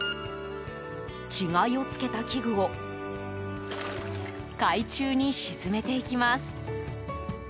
稚貝を付けた器具を海中に沈めていきます。